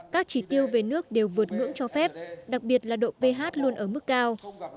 các chỉ tiêu về nước đều vượt ngưỡng cho phép đặc biệt là độ ph luôn ở mức cao